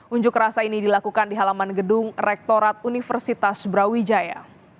unjuk rasa ini dilakukan di halaman gedung rektorat universitas brawijaya